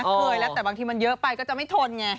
เคยแล้วแต่บางทีมันเยอะไปก็จะไม่ทนไง